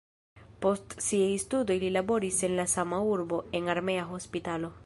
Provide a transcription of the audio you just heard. Post siaj studoj li laboris en la sama urbo en armea hospitalo.